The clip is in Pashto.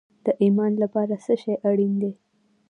د ایمان لپاره څه شی اړین دی؟